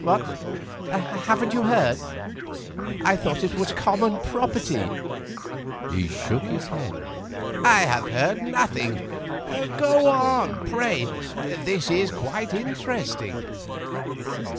"What, haven't you heard? I thought it was common property." He shook his head. "I have heard nothing. Go on, pray, this is quite interesting."